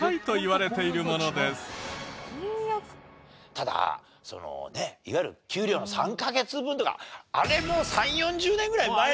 ただそのねっいわゆる「給料の３カ月分」とかあれもう３０４０年ぐらい前のフレーズでしょ？